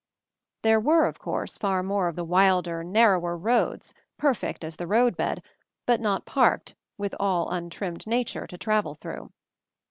There were, of course *ar more of the wilder, narrower roads, perfect as the road bed, but not parked, with all untrimmed nature to travel through.